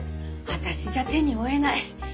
私じゃ手に負えない。